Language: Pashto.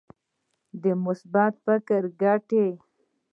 د مثبت فکر ګټې.